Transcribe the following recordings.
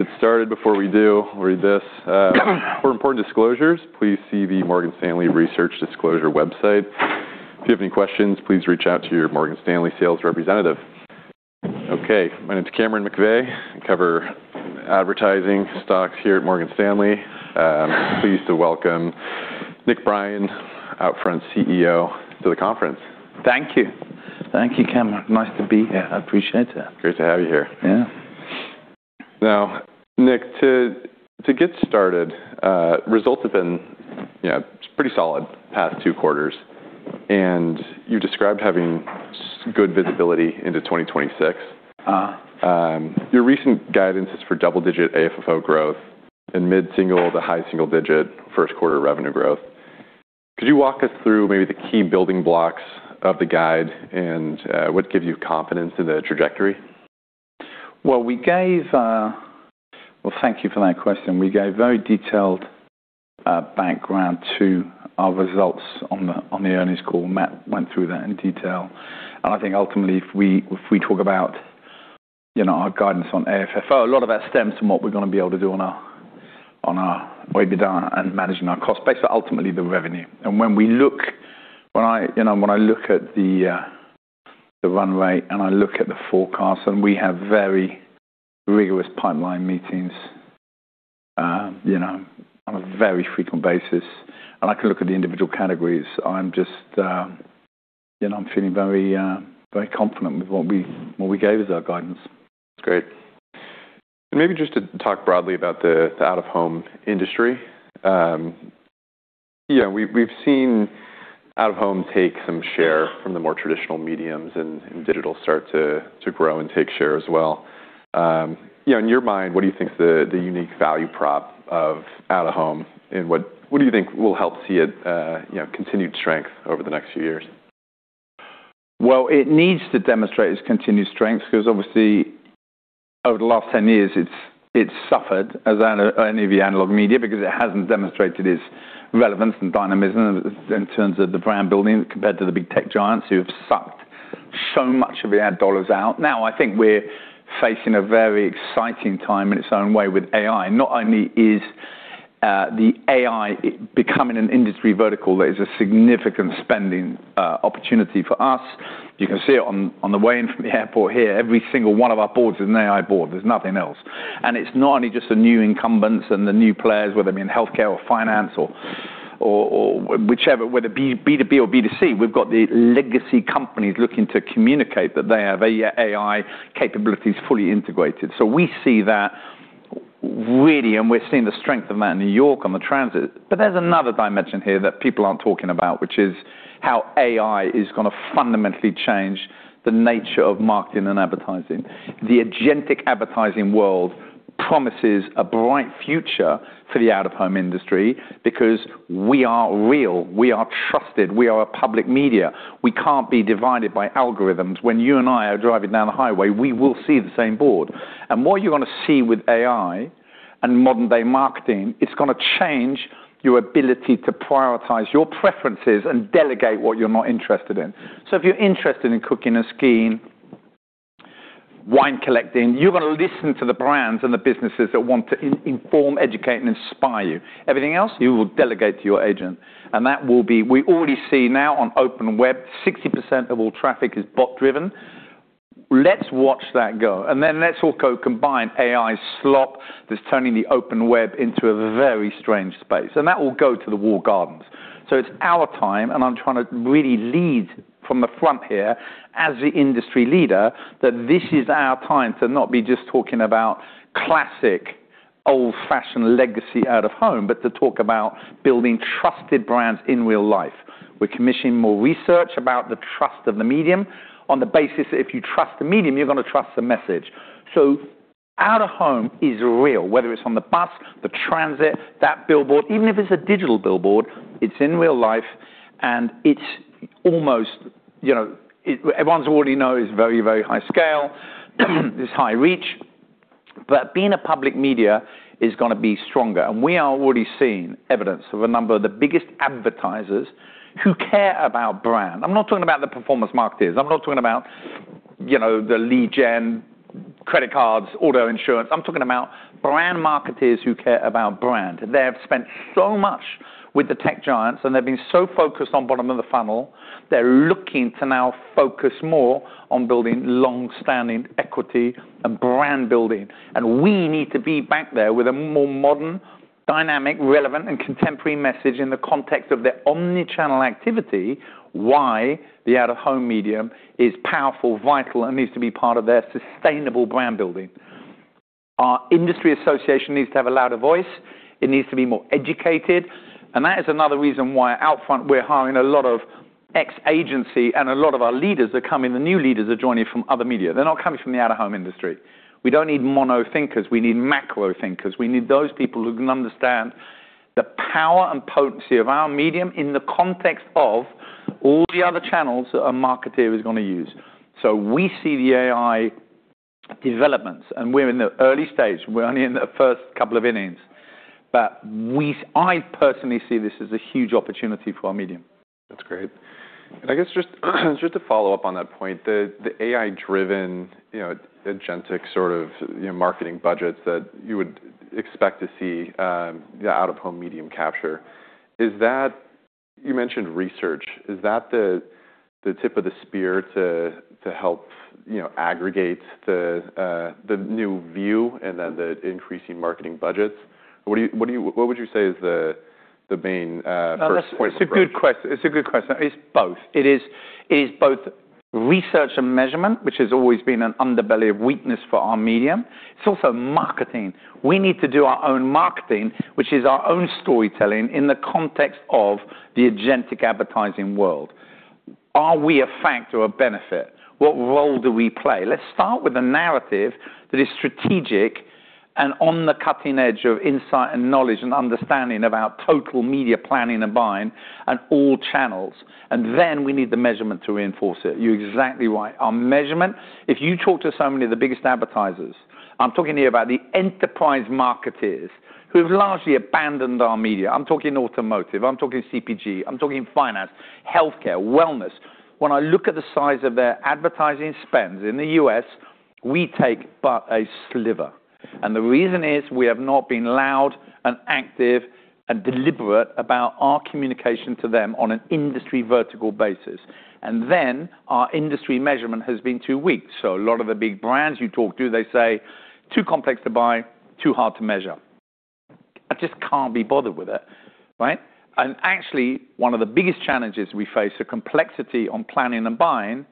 Get started. Before we do, I'll read this. For important disclosures, please see the Morgan Stanley research disclosure website. If you have any questions, please reach out to your Morgan Stanley sales representative. My name is Cameron McVeigh. I cover advertising stocks here at Morgan Stanley. pleased to welcome Nick Brien, OUTFRONT CEO, to the conference. Thank you. Thank you, Cameron. Nice to be here. I appreciate it. Great to have you here. Yeah. Now, Nick, to get started, results have been, you know, pretty solid past two quarters, and you described having good visibility into 2026. Your recent guidance is for double-digit AFFO growth and mid-single to high single-digit first quarter revenue growth. Could you walk us through maybe the key building blocks of the guide and what gives you confidence in the trajectory? Well, thank you for that question. We gave very detailed background to our results on the earnings call. Matt went through that in detail. I think ultimately, if we, if we talk about, you know, our guidance on AFFO, a lot of that stems from what we're gonna be able to do on our EBITDA and managing our cost base, but ultimately the revenue. When I, you know, when I look at the runway and I look at the forecast, and we have very rigorous pipeline meetings, you know, on a very frequent basis. I can look at the individual categories. I'm just, you know, I'm feeling very, very confident with what we, what we gave as our guidance. That's great. Maybe just to talk broadly about the out-of-home industry. You know, we've seen out-of-home take some share from the more traditional mediums and digital start to grow and take share as well. You know, in your mind, what do you think is the unique value prop of out-of-home and what do you think will help see it, you know, continued strength over the next few years? Well, it needs to demonstrate its continued strength because obviously over the last 10 years it's suffered as any of the analog media because it hasn't demonstrated its relevance and dynamism in terms of the brand building compared to the big tech giants who have sucked so much of the ad dollars out. I think we're facing a very exciting time in its own way with AI. Not only is the AI becoming an industry vertical that is a significant spending opportunity for us. You can see it on the way in from the airport here. Every single one of our boards is an AI board. There's nothing else. It's not only just the new incumbents and the new players, whether they be in healthcare or finance or whichever, whether it be B2B or B2C, we've got the legacy companies looking to communicate that they have AI capabilities fully integrated. We see that really, and we're seeing the strength of that in New York on the transit. There's another dimension here that people aren't talking about, which is how AI is gonna fundamentally change the nature of marketing and advertising. The agentic advertising world promises a bright future for the out-of-home industry because we are real, we are trusted, we are a public media. We can't be divided by algorithms. When you and I are driving down the highway, we will see the same board. What you're gonna see with AI and modern-day marketing, it's gonna change your ability to prioritize your preferences and delegate what you're not interested in. If you're interested in cooking and skiing, wine collecting, you're gonna listen to the brands and the businesses that want to inform, educate, and inspire you. Everything else, you will delegate to your agent. We already see now on open web, 60% of all traffic is bot-driven. Let's watch that go, and then let's also combine AI slop that's turning the open web into a very strange space. That will go to the walled gardens. It's our time, and I'm trying to really lead from the front here as the industry leader, that this is our time to not be just talking about classic old-fashioned legacy out-of-home, but to talk about building trusted brands in real life. We're commissioning more research about the trust of the medium on the basis if you trust the medium, you're going to trust the message. Out-of-home is real, whether it's on the bus, the transit, that billboard. Even if it's a digital billboard, it's in real life and it's almost, you know, everyone already knows it's very high scale, it's high reach. Being a public media is going to be stronger. We are already seeing evidence of a number of the biggest advertisers who care about brand. I'm not talking about the performance marketers. I'm not talking about, you know, the lead gen credit cards, auto insurance. I'm talking about brand marketers who care about brand. They have spent so much with the tech giants, and they've been so focused on bottom of the funnel. They're looking to now focus more on building long-standing equity and brand building. We need to be back there with a more modern, dynamic, relevant, and contemporary message in the context of their omni-channel activity, why the out-of-home medium is powerful, vital, and needs to be part of their sustainable brand building. Our industry association needs to have a louder voice. It needs to be more educated. That is another reason why OUTFRONT, we're hiring a lot of ex-agency, and a lot of our leaders are coming, the new leaders are joining from other media. They're not coming from the out-of-home industry. We don't need mono thinkers. We need macro thinkers. We need those people who can understand the power and potency of our medium in the context of all the other channels that a marketeer is gonna use. We see the AI developments, and we're in the early stage. We're only in the first couple of innings. I personally see this as a huge opportunity for our medium. That's great. I guess just to follow up on that point, the AI-driven, you know, agentic sort of, you know, marketing budgets that you would expect to see, out-of-home medium capture, is that? You mentioned research. Is that the tip of the spear to help, you know, aggregate the new view and then the increase in marketing budgets? What would you say is the main first point of approach? That's a good question. It's both. It is both research and measurement, which has always been an underbelly of weakness for our medium. It's also marketing. We need to do our own marketing, which is our own storytelling in the context of the agentic advertising world. Are we a factor, a benefit? What role do we play? Let's start with the narrative that is strategic and on the cutting edge of insight and knowledge and understanding about total media planning and buying on all channels. Then we need the measurement to reinforce it. You're exactly right. Our measurement, if you talk to so many of the biggest advertisers, I'm talking to you about the enterprise marketers who've largely abandoned our media. I'm talking automotive, I'm talking CPG, I'm talking finance, healthcare, wellness. When I look at the size of their advertising spends in the U.S., we take but a sliver. The reason is, we have not been loud and active and deliberate about our communication to them on an industry vertical basis. Our industry measurement has been too weak. A lot of the big brands you talk to, they say, "Too complex to buy, too hard to measure. I just can't be bothered with it." Right? Actually, one of the biggest challenges we face, the complexity on planning and buying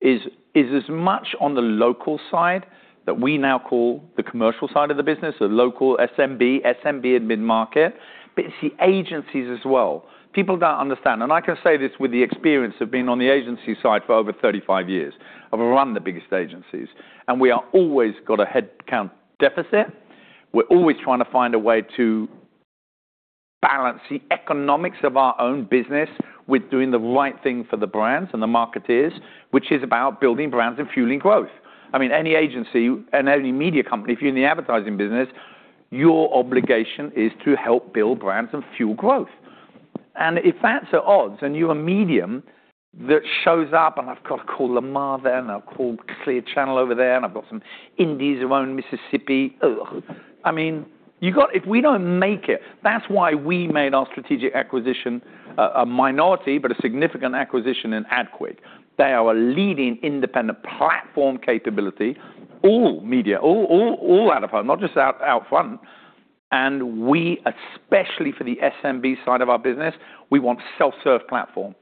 is as much on the local side that we now call the commercial side of the business, the local SMB admin market. It's the agencies as well. People don't understand. I can say this with the experience of being on the agency side for over 35 years. I've run the biggest agencies, we are always got a headcount deficit. We're always trying to find a way to balance the economics of our own business with doing the right thing for the brands and the marketeers, which is about building brands and fueling growth. I mean, any agency and any media company, if you're in the advertising business, your obligation is to help build brands and fuel growth. If ads are odds and you're a medium that shows up, and I've got to call Lamar Advertising Company there, and I've called Clear Channel Outdoor Holdings, Inc. over there, and I've got some indies who own Mississippi. I mean, if we don't make it, that's why we made our strategic acquisition a minority, but a significant acquisition in AdQuick, Inc. They are a leading independent platform capability, all media, all out of home, not just OUTFRONT. We especially for the SMB side of our business, we want self-serve platform.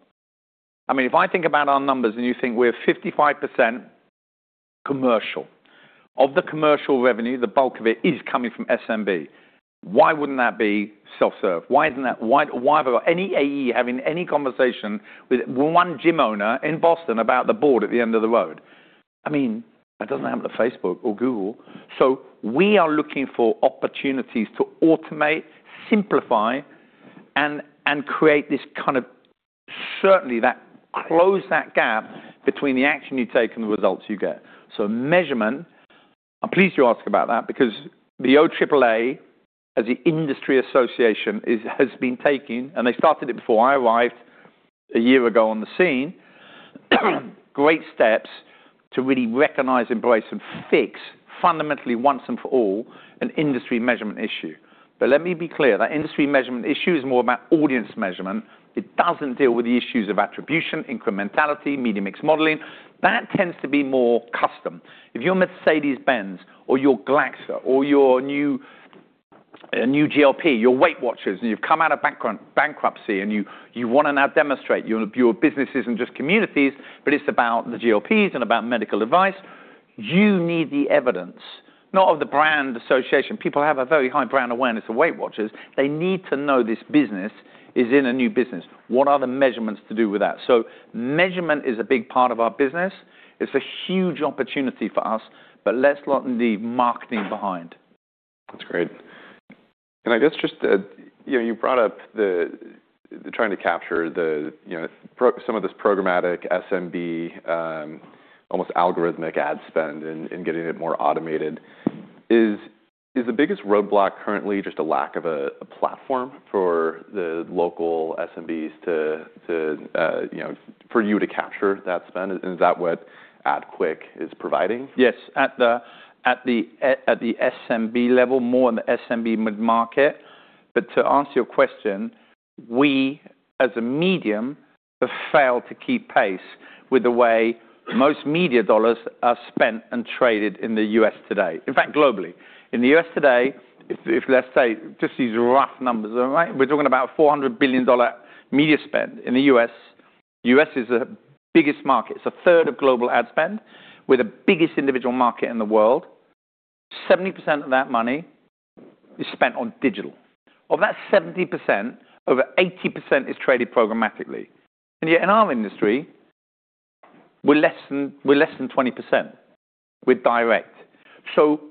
I mean, if I think about our numbers and you think we're 55% commercial. Of the commercial revenue, the bulk of it is coming from SMB. Why wouldn't that be self-serve? Why have any AE having any conversation with one gym owner in Boston about the board at the end of the road? I mean, that doesn't happen to Facebook or Google. We are looking for opportunities to automate, simplify, and create this kind of... Certainly that close that gap between the action you take and the results you get. Measurement, I'm pleased you asked about that because the OAAA as the industry association has been taking, and they started it before I arrived a year ago on the scene, great steps to really recognize, embrace, and fix fundamentally once and for all an industry measurement issue. Let me be clear, that industry measurement issue is more about audience measurement. It doesn't deal with the issues of attribution, incrementality, media mix modeling. That tends to be more custom. If you're Mercedes-Benz or you're Glaxo or you're new, a new GLP, you're Weight Watchers, and you've come out of bankruptcy, and you wanna now demonstrate your business isn't just communities, but it's about the GLPs and about medical advice, you need the evidence, not of the brand association. People have a very high brand awareness of Weight Watchers. They need to know this business is in a new business. What are the measurements to do with that? Measurement is a big part of our business. It's a huge opportunity for us, but let's not leave marketing behind. That's great. I guess just, you know, you brought up the trying to capture the, you know, some of this programmatic SMB, almost algorithmic ad spend and getting it more automated. Is the biggest roadblock currently just a lack of a platform for the local SMBs to, you know, for you to capture that spend? Is that what AdQuick is providing? Yes. At the SMB level, more in the SMB mid-market. To answer your question, we, as a medium, have failed to keep pace with the way most media dollars are spent and traded in the U.S. today. In fact, globally. In the U.S. today, if let's say, just these rough numbers, all right? We're talking about $400 billion media spend in the U.S. U.S. is the biggest market. It's a third of global ad spend. We're the biggest individual market in the world. 70% of that money is spent on digital. Of that 70%, over 80% is traded programmatically. Yet in our industry, we're less than 20%. We're direct.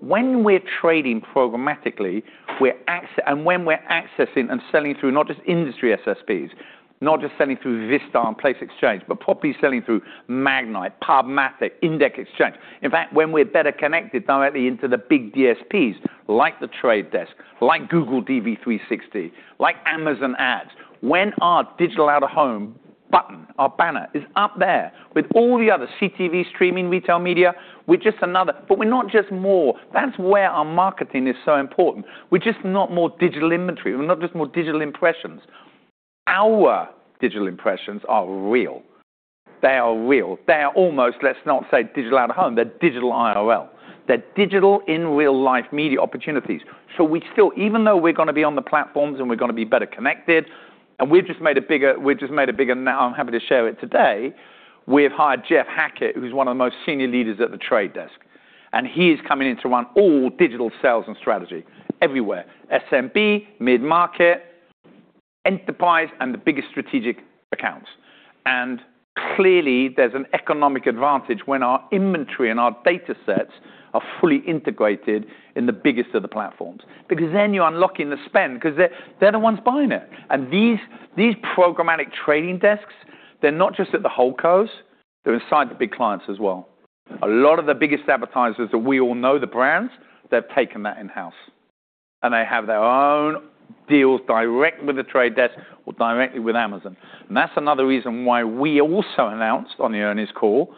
When we're trading programmatically, when we're accessing and selling through not just industry SSPs. Not just selling through Vistar and Place Exchange, but properly selling through Magnite, PubMatic, Index Exchange. In fact, when we're better connected directly into the big DSPs, like The Trade Desk, like Google DV360, like Amazon Ads, when our Digital Out-of-Home button, our banner is up there with all the other CTV streaming retail media, we're just another. We're not just more. That's where our marketing is so important. We're just not more digital inventory. We're not just more digital impressions. Our digital impressions are real. They are real. They are almost, let's not say Digital Out-of-Home, they're digital IRL. They're digital in real-life media opportunities. Even though we're gonna be on the platforms and we're gonna be better connected, and we've just made a bigger now I'm happy to share it today. We've hired Jeff Hackett, who's one of the most senior leaders at The Trade Desk, and he is coming in to run all digital sales and strategy everywhere, SMB, mid-market, enterprise, and the biggest strategic accounts. Clearly, there's an economic advantage when our inventory and our datasets are fully integrated in the biggest of the platforms. Because then you're unlocking the spend because they're the ones buying it. These programmatic trading desks, they're not just at the holdcos, they're inside the big clients as well. A lot of the biggest advertisers that we all know the brands, they've taken that in-house, they have their own deals direct with The Trade Desk or directly with Amazon. That's another reason why we also announced on the earnings call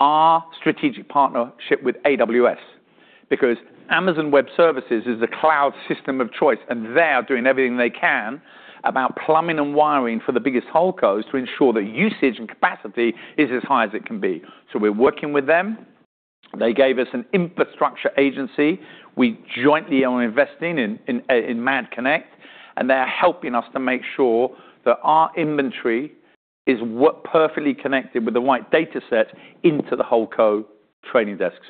our strategic partnership with AWS. Amazon Web Services is the cloud system of choice, and they are doing everything they can about plumbing and wiring for the biggest holdcos to ensure that usage and capacity is as high as it can be. We're working with them. They gave us an infrastructure agency. We jointly are investing in MadConnect, and they're helping us to make sure that our inventory is perfectly connected with the right datasets into the holdco trading desks.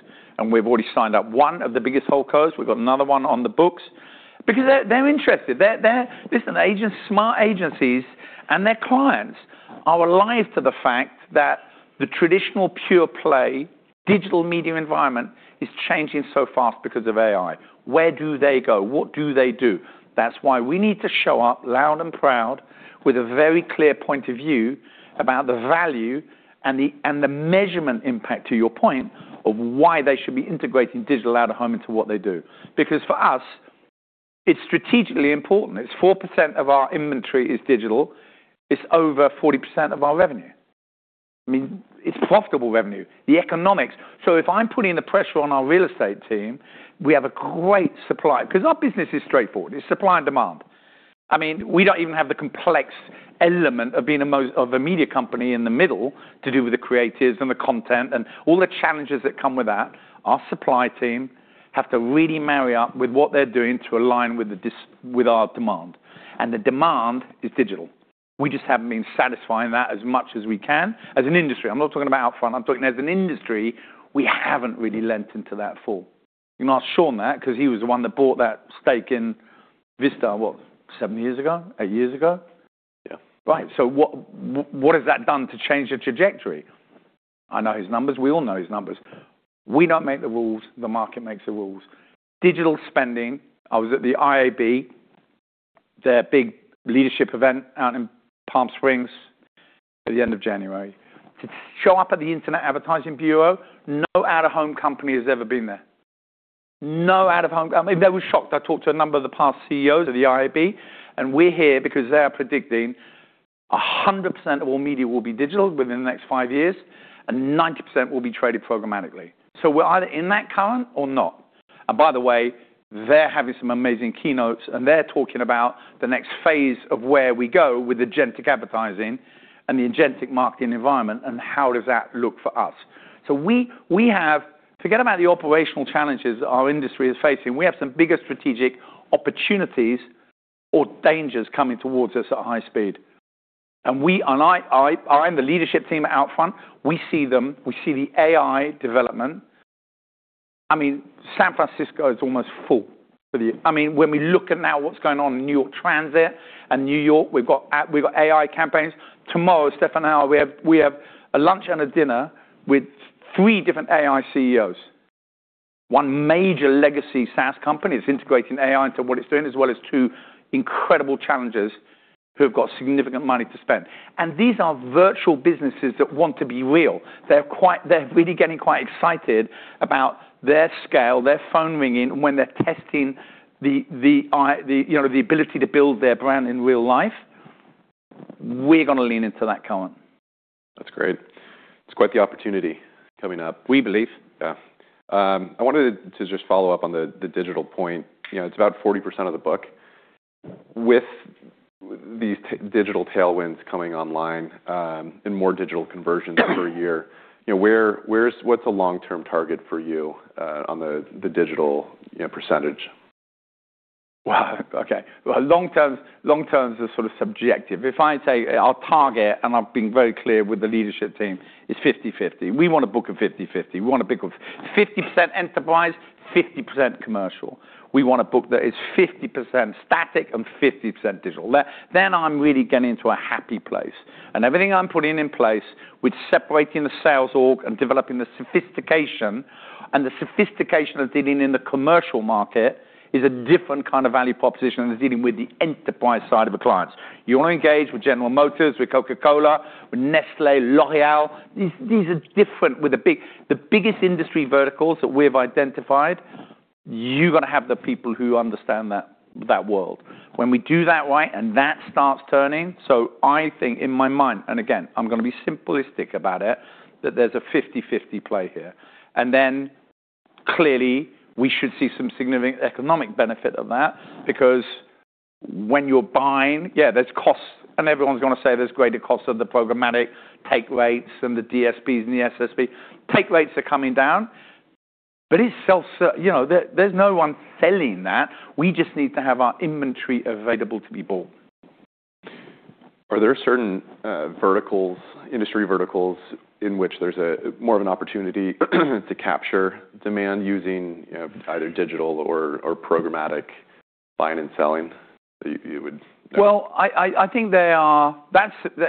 We've already signed up one of the biggest holdcos. We've got another one on the books. They're interested. They're Listen, agents, smart agencies and their clients are alive to the fact that the traditional pure play digital media environment is changing so fast because of AI. Where do they go? What do they do? That's why we need to show up loud and proud with a very clear point of view about the value and the measurement impact, to your point, of why they should be integrating Digital Out-of-Home into what they do. Because for us, it's strategically important. It's 4% of our inventory is digital. It's over 40% of our revenue. I mean, it's profitable revenue, the economics. If I'm putting the pressure on our real estate team, we have a great supply because our business is straightforward. It's supply and demand. I mean, we don't even have the complex element of being a media company in the middle to do with the creatives and the content and all the challenges that come with that. Our supply team have to really marry up with what they're doing to align with our demand. The demand is digital. We just haven't been satisfying that as much as we can as an industry. I'm not talking about OUTFRONT. I'm talking as an industry, we haven't really leant into that full. You can ask Sean that because he was the one that bought that stake in Vistar Media, what, seven years ago, eight years ago? Yeah. Right. What has that done to change the trajectory? I know his numbers. We all know his numbers. We don't make the rules. The market makes the rules. Digital spending... I was at the IAB, their big leadership event out in Palm Springs at the end of January. To show up at the Interactive Advertising Bureau, no out-of-home company has ever been there. No out-of-home. They were shocked. I talked to a number of the past CEOs of the IAB, and we're here because they are predicting 100% of all media will be digital within the next five years, and 90% will be traded programmatically. We're either in that current or not. By the way, they're having some amazing keynotes, and they're talking about the next phase of where we go with agentic advertising and the agentic marketing environment, and how does that look for us. We have. Forget about the operational challenges our industry is facing. We have some bigger strategic opportunities or dangers coming towards us at high speed. We, and I and the leadership team at OUTFRONT Media, we see them, we see the AI development. I mean, San Francisco is almost full. I mean, when we look at now what's going on in New York transit and New York, we've got AI campaigns. Tomorrow, Stefan and I, we have a lunch and a dinner with three different AI CEOs. One major legacy SaaS company is integrating AI into what it's doing, as well as twoincredible challengers who have got significant money to spend. These are virtual businesses that want to be real. They're really getting quite excited about their scale, their phone ringing when they're testing the, you know, the ability to build their brand in real life. We're gonna lean into that current. That's great. It's quite the opportunity coming up. We believe. Yeah. I wanted to just follow up on the digital point. You know, it's about 40% of the book. With these digital tailwinds coming online, and more digital conversions per year, you know, where, what's the long-term target for you on the digital, you know, percentage? Wow. Okay. Long term, long term is sort of subjective. If I say our target, and I've been very clear with the leadership team, is 50/50. We want a book of 50/50. We want a big of 50% enterprise, 50% commercial. We want a book that is 50% static and 50% digital. Then I'm really getting into a happy place. Everything I'm putting in place with separating the sales org and developing the sophistication, and the sophistication of dealing in the commercial market is a different kind of value proposition than dealing with the enterprise side of the clients. You want to engage with General Motors, with Coca-Cola, with Nestlé, L'Oréal, these are different. With the biggest industry verticals that we've identified, you gonna have the people who understand that world. When we do that right, and that starts turning, so I think in my mind, and again, I'm gonna be simplistic about it, that there's a 50/50 play here. Clearly, we should see some significant economic benefit of that because when you're buying, yeah, there's costs, and everyone's gonna say there's greater costs of the programmatic take rates and the DSPs and the SSP. Take rates are coming down, but it's you know, there's no one selling that. We just need to have our inventory available to be bought. Are there certain verticals, industry verticals in which there's a more of an opportunity to capture demand using, you know, either digital or programmatic buying and selling? Well, I think they are.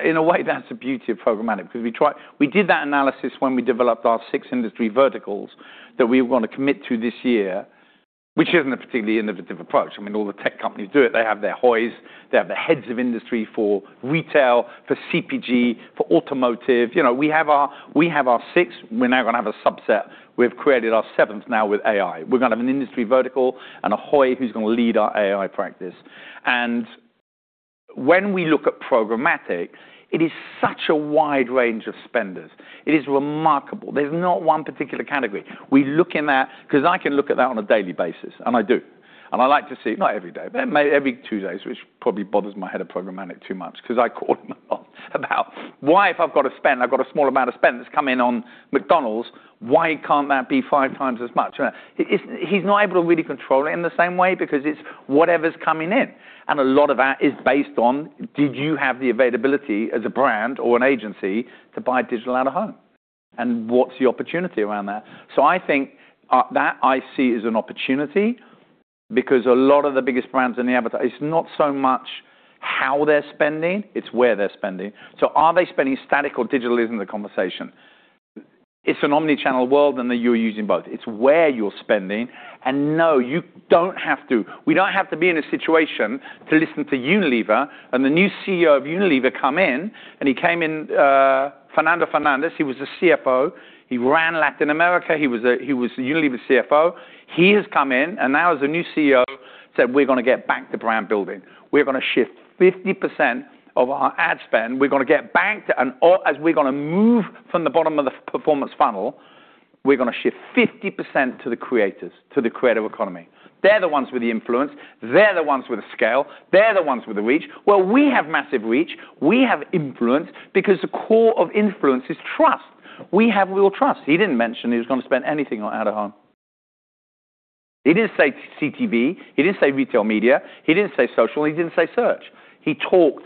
In a way, that's the beauty of programmatic 'cause we did that analysis when we developed our six industry verticals that we were gonna commit to this year, which isn't a particularly innovative approach. I mean, all the tech companies do it. They have their HOIs, they have the heads of industry for retail, for CPG, for automotive. You know, we have our six. We're now gonna have a subset. We've created our seventh now with AI. We're gonna have an industry vertical and a HOI who's gonna lead our AI practice. When we look at programmatic, it is such a wide range of spenders. It is remarkable. There's not one particular category. We look in that 'cause I can look at that on a daily basis, and I do. I like to see, not every day, but every Tuesdays, which probably bothers my head of programmatic too much 'cause I call him a lot about why, if I've got a spend, I've got a small amount of spend that's come in on McDonald's, why can't that be five times as much? He's not able to really control it in the same way because it's whatever's coming in, and a lot of that is based on did you have the availability as a brand or an agency to buy Digital Out-of-Home, and what's the opportunity around that? I think that I see as an opportunity because a lot of the biggest brands in the It's not so much how they're spending, it's where they're spending. Are they spending static or digital isn't the conversation. It's an omni-channel world, and you're using both. It's where you're spending. No, you don't have to. We don't have to be in a situation to listen to Unilever and the new CEO of Unilever come in, and he came in, Hein Schumacher, he was the CFO. He ran Latin America. He was Unilever's CFO. He has come in and now as the new CEO said, "We're gonna get back to brand building. We're gonna shift 50% of our ad spend. We're gonna get back as we're gonna move from the bottom of the performance funnel, we're gonna shift 50% to the creators, to the creative economy. They're the ones with the influence. They're the ones with the scale. They're the ones with the reach." Well, we have massive reach. We have influence because the core of influence is trust. We have real trust. He didn't mention he was going to spend anything on out-of-home. He didn't say CTV, he didn't say retail media, he didn't say social, and he didn't say search. He talked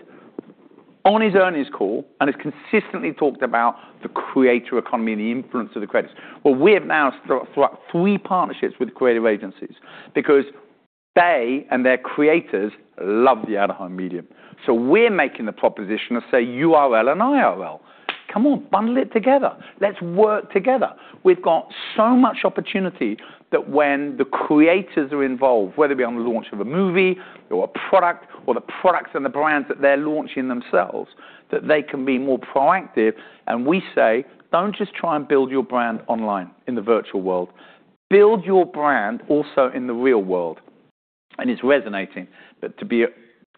on his earnings call and has consistently talked about the creator economy and the influence of the creators. Well, we have now struck three partnerships with creative agencies because they and their creators love the out-of-home medium. We're making the proposition of say URL and IRL. Come on, bundle it together. Let's work together. We've got so much opportunity that when the creators are involved, whether it be on the launch of a movie or a product or the products and the brands that they're launching themselves, that they can be more proactive. We say, "Don't just try and build your brand online in the virtual world. Build your brand also in the real world," and it's resonating. To be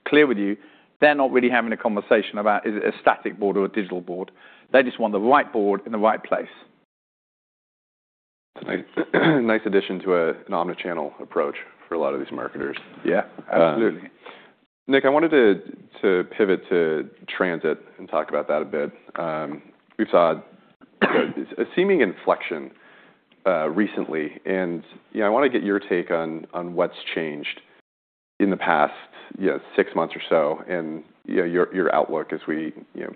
clear with you, they're not really having a conversation about is it a static board or a digital board. They just want the right board in the right place. Nice addition to, an omni-channel approach for a lot of these marketers. Yeah, absolutely. Nick, I wanted to pivot to transit and talk about that a bit. We saw a seeming inflection recently, and, you know, I wanna get your take on what's changed in the past, you know, six months or so and, you know, your outlook as we, you know,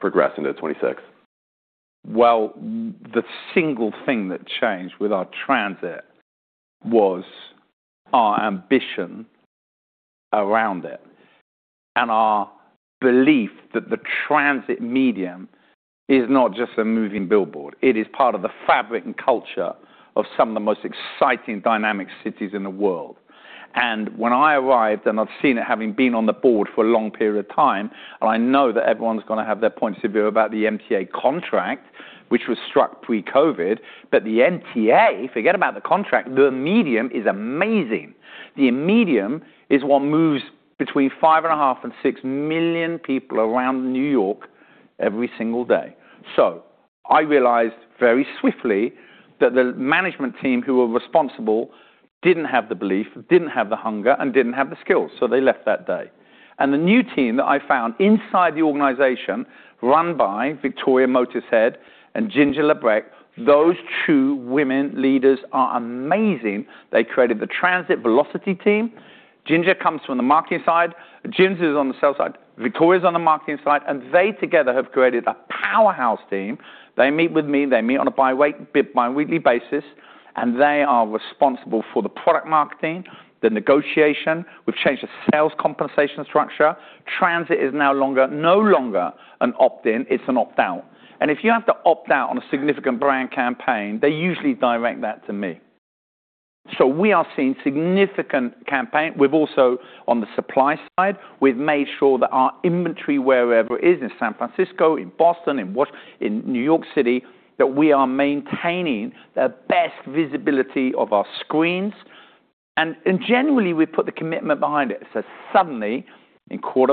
progress into 2026. Well, the single thing that changed with our transit was our ambition around it and our belief that the transit medium is not just a moving billboard. It is part of the fabric and culture of some of the most exciting, dynamic cities in the world. When I arrived, and I've seen it having been on the board for a long period of time, and I know that everyone's gonna have their points of view about the MTA contract, which was struck pre-COVID. The MTA, forget about the contract, the medium is amazing. The medium is what moves between 5.5 million and six million people around New York every single day. I realized very swiftly that the management team who were responsible didn't have the belief, didn't have the hunger, and didn't have the skills, so they left that day. The new team that I found inside the organization run by Victoria Mottesheard and Ginger LaBrecque, those two women leaders are amazing. They created the Transit Velocity team. Ginger comes from the marketing side. Ginger's on the sales side. Victoria's on the marketing side. They together have created a Powerhouse team, they meet with me, they meet on a bi-weekly basis, and they are responsible for the product marketing, the negotiation. We've changed the sales compensation structure. Transit is now no longer an opt-in, it's an opt-out. If you have to opt-out on a significant brand campaign, they usually direct that to me. We are seeing significant campaign. On the supply side, we've also made sure that our inventory, wherever it is, in San Francisco, in Boston, in New York City, that we are maintaining the best visibility of our screens. Generally, we put the commitment behind it. Suddenly,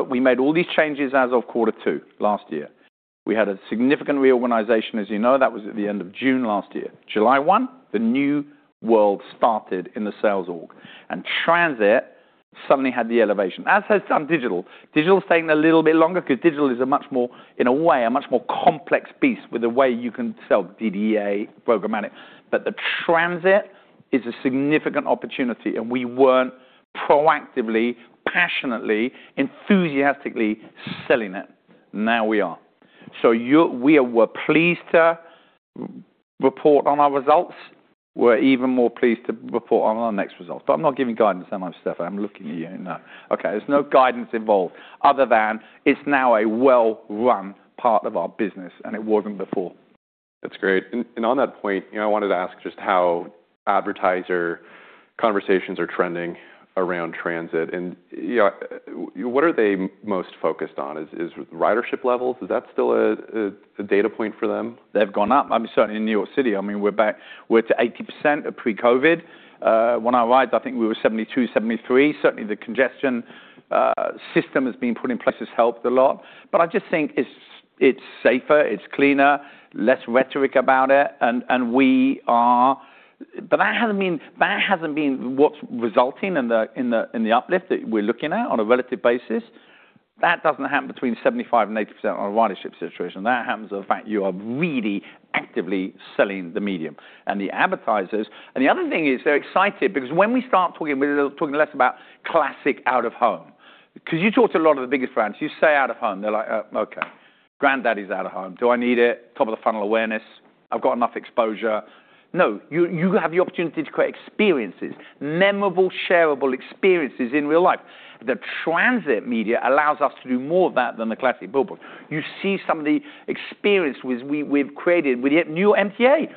we made all these changes as of quarter 2 last year. We had a significant reorganization, as you know. That was at the end of June last year. July 1, the new world started in the sales org, and transit suddenly had the elevation. As has done digital. Digital is taking a little bit longer because digital is a much more, in a way, a much more complex beast with the way you can sell DDA programmatic. The transit is a significant opportunity, and we weren't proactively, passionately, enthusiastically selling it. Now we are. We're pleased to report on our results. We're even more pleased to report on our next results. I'm not giving guidance, how much stuff I'm looking at you in that. Okay, there's no guidance involved other than it's now a well-run part of our business, and it wasn't before. That's great. On that point, you know, I wanted to ask just how advertiser conversations are trending around transit. You know, what are they most focused on? Is ridership levels, is that still a data point for them? They've gone up. I mean, certainly in New York City. I mean, we're to 80% of pre-COVID. When I arrived, I think we were 72, 73. Certainly, the congestion system has been put in place has helped a lot. I just think it's safer, it's cleaner, less rhetoric about it, and we are... That hasn't been what's resulting in the uplift that we're looking at on a relative basis. That doesn't happen between 75% and 80% on a ridership situation. That happens the fact you are really actively selling the medium. The advertisers... The other thing is they're excited because when we start talking, we're talking less about classic out-of-home. 'Cause you talk to a lot of the biggest brands, you say out-of-home, they're like, "Oh, okay. Granddaddy's out-of-home. Do I need it? Top of the funnel awareness. I've got enough exposure." No, you have the opportunity to create experiences, memorable, shareable experiences in real life. The transit media allows us to do more of that than the classic billboard. You see some of the experience we've created with the new MTA.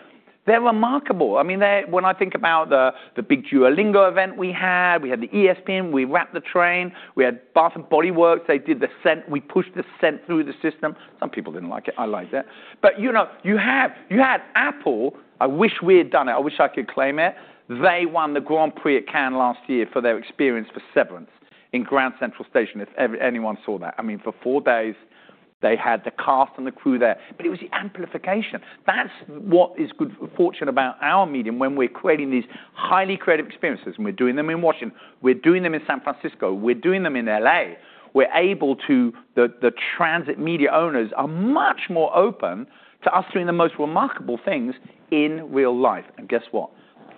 They're remarkable. I mean, when I think about the big Duolingo event we had, we had the ESPN, we wrapped the train, we had Bath & Body Works. They did the scent. We pushed the scent through the system. Some people didn't like it. I liked it. You know, you had Apple. I wish we had done it. I wish I could claim it. They won the Grand Prix at Cannes last year for their experience for Severance in Grand Central Station, if anyone saw that. I mean, for four days, they had the cast and the crew there. It was the amplification. That's what is good fortune about our medium when we're creating these highly creative experiences, and we're doing them in Washington, we're doing them in San Francisco, we're doing them in L.A. The transit media owners are much more open to us doing the most remarkable things in real life. Guess what?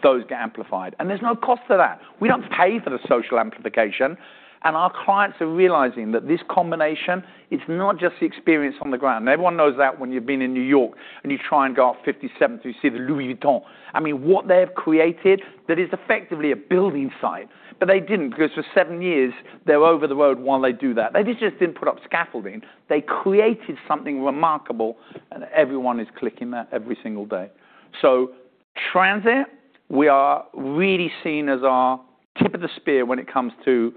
Those get amplified. There's no cost to that. We don't pay for the social amplification. Our clients are realizing that this combination, it's not just the experience on the ground. Everyone knows that when you've been in New York, and you try and go off 57th, you see the Louis Vuitton. I mean, what they have created, that is effectively a building site. They didn't, because for 7 years, they were over the road while they do that. They just didn't put up scaffolding. They created something remarkable, and everyone is clicking that every single day. Transit, we are really seen as our tip of the spear when it comes to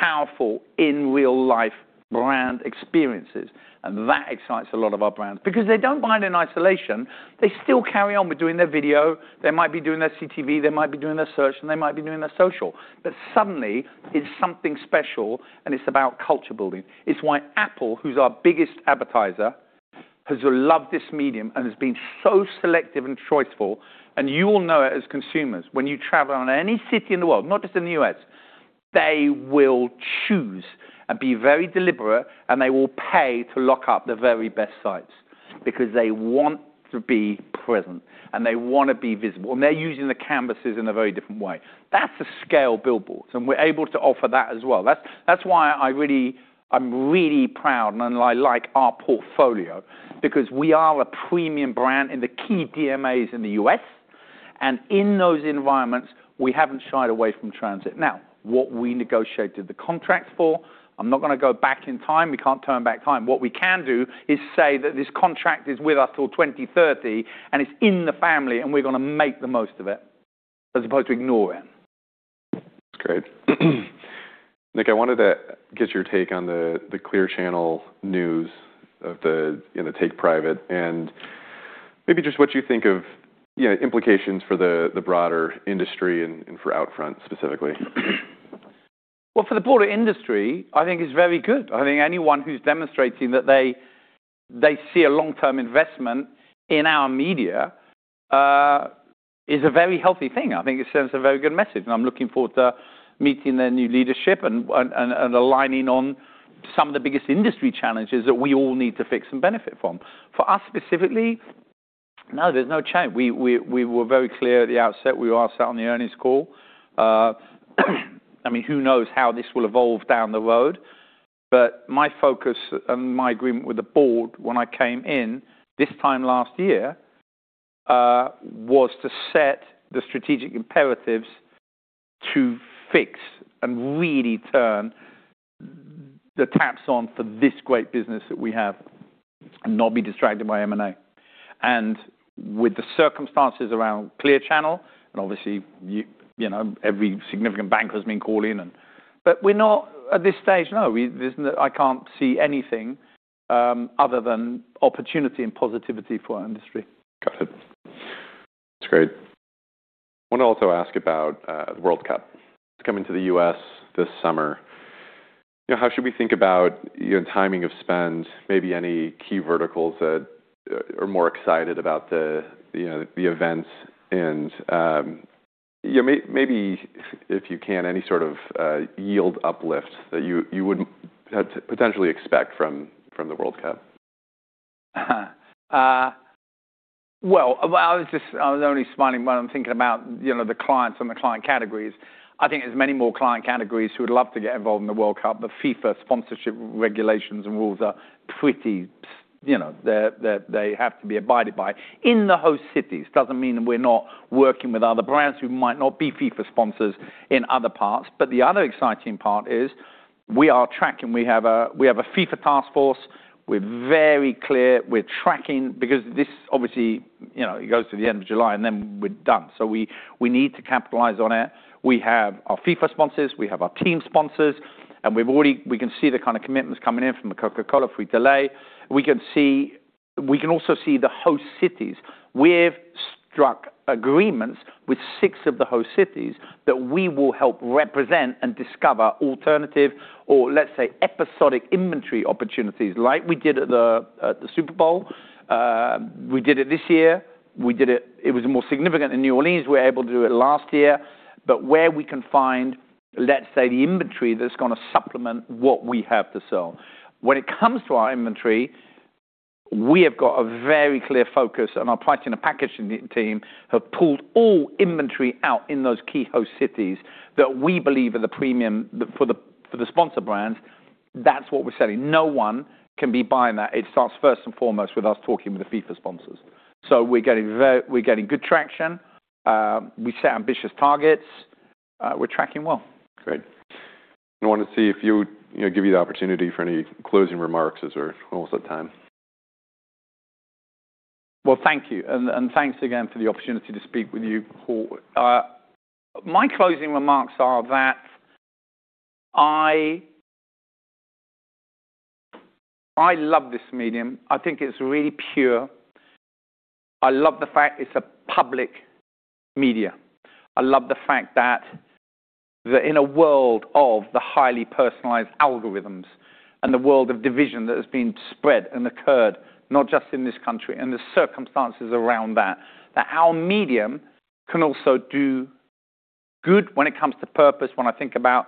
powerful in real life brand experiences. That excites a lot of our brands because they don't buy it in isolation. They still carry on with doing their video. They might be doing their CTV, they might be doing their search, and they might be doing their social. Suddenly, it's something special, and it's about culture building. It's why Apple, who's our biggest advertiser, has loved this medium and has been so selective and choiceful, and you all know it as consumers. When you travel in any city in the world, not just in the U.S., they will choose and be very deliberate. They will pay to lock up the very best sites because they want to be present. They want to be visible. They're using the canvases in a very different way. That's a scale billboard. We're able to offer that as well. That's why I'm really proud and I like our portfolio because we are a premium brand in the key DMAs in the U.S. In those environments, we haven't shied away from transit. Now, what we negotiated the contract for, I'm not gonna go back in time. We can't turn back time. What we can do is say that this contract is with us till 2030 and it's in the family, and we're gonna make the most of it, as opposed to ignore it. That's great. Nick, I wanted to get your take on the Clear Channel news of the, you know, take private and maybe just what you think of, you know, implications for the broader industry and for OUTFRONT specifically. Well, for the broader industry, I think it's very good. I think anyone who's demonstrating that they see a long-term investment in our media is a very healthy thing. I think it sends a very good message, and I'm looking forward to meeting their new leadership and aligning on some of the biggest industry challenges that we all need to fix and benefit from. For us specifically. No, there's no change. We were very clear at the outset. We all sat on the earnings call. I mean, who knows how this will evolve down the road? My focus and my agreement with the board when I came in this time last year was to set the strategic imperatives to fix and really turn the taps on for this great business that we have and not be distracted by M&A. With the circumstances around Clear Channel and obviously, you know, every significant bank has been called in and. We're not at this stage, no. I can't see anything other than opportunity and positivity for our industry. Got it. That's great. Want to also ask about the World Cup. It's coming to the U.S. this summer. You know, how should we think about, you know, timing of spend, maybe any key verticals that are more excited about the, you know, the events and, yeah, maybe if you can, any sort of yield uplift that you would have to potentially expect from the World Cup? Well, I was only smiling when I'm thinking about, you know, the clients and the client categories. I think there's many more client categories who would love to get involved in the World Cup. FIFA sponsorship regulations and rules are pretty, you know, they have to be abided by in the host cities. Doesn't mean we're not working with other brands who might not be FIFA sponsors in other parts. The other exciting part is we are tracking. We have a FIFA task force. We're very clear. We're tracking because this obviously, you know, it goes to the end of July, and then we're done. We need to capitalize on it. We have our FIFA sponsors, we have our team sponsors, and we've already we can see the kind of commitments coming in from the Coca-Cola if we delay. We can also see the host cities. We've struck agreements with six of the host cities that we will help represent and discover alternative or, let's say, episodic inventory opportunities like we did at the Super Bowl. We did it this year. We did it. It was more significant in New Orleans. We were able to do it last year. Where we can find, let's say, the inventory that's gonna supplement what we have to sell. When it comes to our inventory, we have got a very clear focus, and our planning and packaging team have pulled all inventory out in those key host cities that we believe are the premium for the, for the sponsor brands. That's what we're selling. No one can be buying that. It starts first and foremost with us talking with the FIFA sponsors. We're getting good traction. We set ambitious targets. We're tracking well. Great. I want to see if you know, give you the opportunity for any closing remarks as we're almost at time. Well, thank you. Thanks again for the opportunity to speak with you, Paul. My closing remarks are that I love this medium. I think it's really pure. I love the fact it's a public media. I love the fact that in a world of the highly personalized algorithms and the world of division that has been spread and occurred, not just in this country and the circumstances around that our medium can also do good when it comes to purpose, when I think about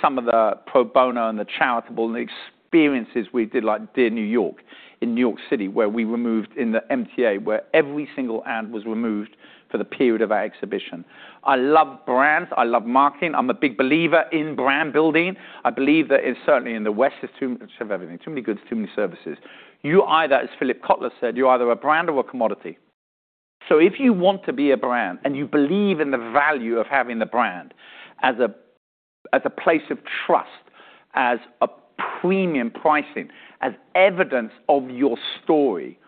some of the pro bono and the charitable and the experiences we did, like Dear New York, in New York City, where we removed in the MTA, where every single ad was removed for the period of our exhibition. I love brands, I love marketing. I'm a big believer in brand building. I believe that in certainly in the West, there's too much of everything, too many goods, too many services. You either, as Philip Kotler said, you're either a brand or a commodity. If you want to be a brand and you believe in the value of having the brand as a place of trust, as a premium pricing, as evidence of your story,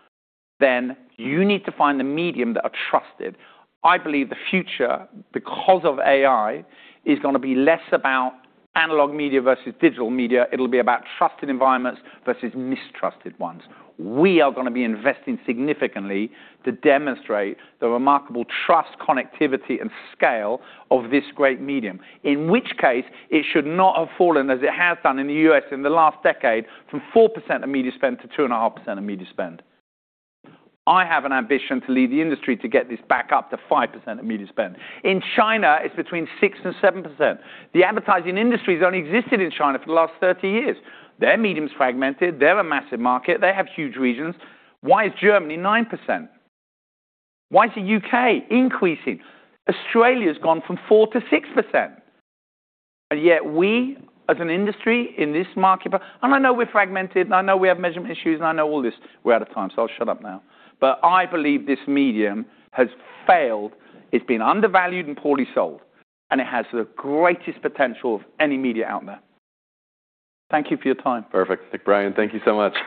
then you need to find the medium that are trusted. I believe the future, because of AI, is gonna be less about analog media versus digital media. It'll be about trusted environments versus mistrusted ones. We are gonna be investing significantly to demonstrate the remarkable trust, connectivity, and scale of this great medium, in which case it should not have fallen, as it has done in the U.S. in the last decade, from 4% of media spend to 2.5% of media spend. I have an ambition to lead the industry to get this back up to 5% of media spend. In China, it's between 6% and 7%. The advertising industry has only existed in China for the last 30 years. Their medium is fragmented. They're a massive market. They have huge regions. Why is Germany 9%? Why is the U.K. increasing? Australia's gone from 4%-6%. Yet we, as an industry in this market... I know we're fragmented, I know we have measurement issues, I know all this. We're out of time, so I'll shut up now. I believe this medium has failed. It's been undervalued and poorly sold, it has the greatest potential of any media out there. Thank you for your time. Perfect. Brien, thank you so much.